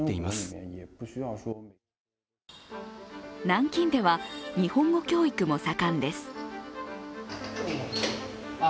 南京では日本語教育も盛んです。